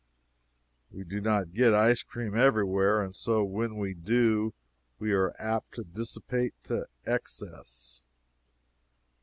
We do not get ice cream every where, and so, when we do, we are apt to dissipate to excess.